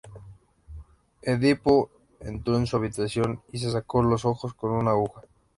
Edipo entró en su habitación y se sacó los ojos con una aguja.